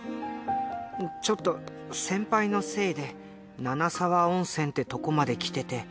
「ちょっと先輩のせいで七沢温泉ってとこまで来てて。